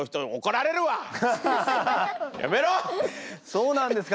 そうなんですか？